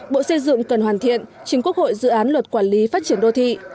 bộ xây dựng cần hoàn thiện chính quốc hội dự án luật quản lý phát triển đô thị